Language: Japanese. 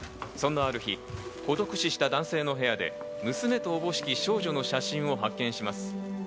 そんなある日、孤独死した男性の部屋で娘とおぼしき少女の写真を発見します。